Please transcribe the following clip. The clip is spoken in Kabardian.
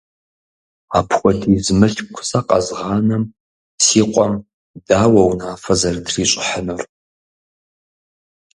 Апхуэдиз мылъку сэ къэзгъанэм си къуэм дауэ унафэ зэрытрищӀыхьынур?